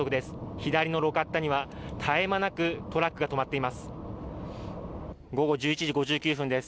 左の路肩には絶え間なくトラックが止まっています